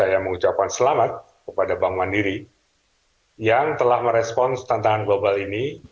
saya mengucapkan selamat kepada bank mandiri yang telah merespons tantangan global ini